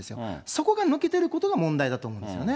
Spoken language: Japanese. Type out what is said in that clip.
そこが抜けてることが問題だと思いますよね。